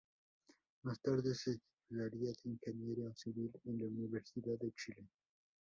Más tarde se titularía de ingeniero civil en la Universidad de Chile.